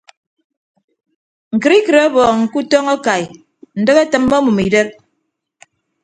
Ñkịtikịt ọbọọñ ke utọñ akai ndịk etịmme ọmʌm idek.